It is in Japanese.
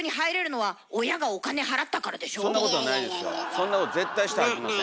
そんなこと絶対したらあきません。